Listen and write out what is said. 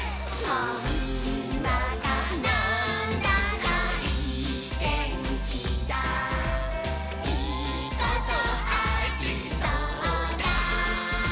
「ほんわかなんだかいいてんきだいいことありそうだ！」